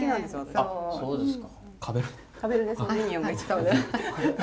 あそうですか。